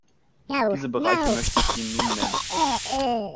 Diese Bereiche möchte ich Ihnen nun nennen.